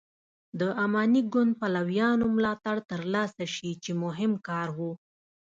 د اماني ګوند پلویانو ملاتړ تر لاسه شي چې مهم کار و.